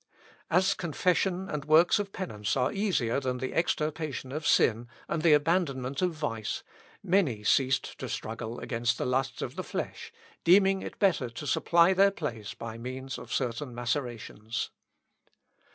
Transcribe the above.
As confession and works of penance are easier than the extirpation of sin, and the abandonment of vice, many ceased to struggle against the lusts of the flesh, deeming it better to supply their place by means of certain macerations.